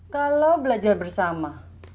kalo belajar bersama